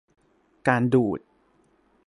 การดูด